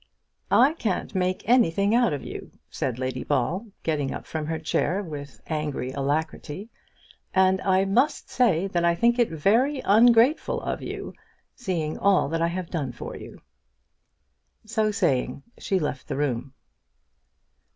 "I can't make anything out of you," said Lady Ball, getting up from her chair with angry alacrity; "and I must say that I think it very ungrateful of you, seeing all that I have done for you." So saying, she left the room.